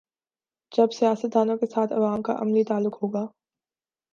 جب سیاست دانوں کے ساتھ عوام کا عملی تعلق ہو گا۔